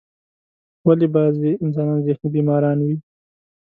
ولی بازی انسانان ذهنی بیماران وی ؟